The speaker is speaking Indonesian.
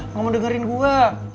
nggak mau dengerin gue